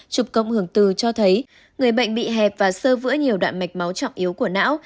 chụp cộng hưởng từ cho thấy người bệnh bị hẹp và sơ vỡ nhiều đoạn mạch máu trọng yếu của não